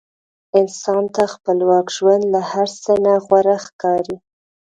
انسان ته خپلواک ژوند له هر څه نه غوره ښکاري.